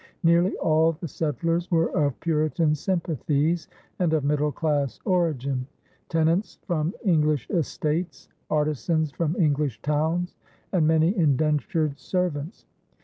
Nearly all the settlers were of Puritan sympathies, and of middle class origin tenants from English estates, artisans from English towns, and many indentured servants.